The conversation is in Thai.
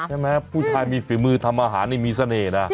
ใช่ไหมผู้ชายมีฝีมือทำอาหารนี่มีเสน่ห์นะ